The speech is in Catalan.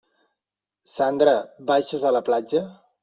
Sandra, baixes a la platja?